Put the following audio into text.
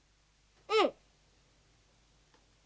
うん。